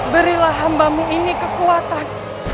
berilah hambamu ini kekuatan